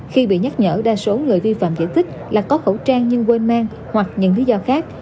khi bị nhắc nhở đa số người vi phạm giải thích là có khẩu trang nhưng quên mang hoặc nhận lý do khác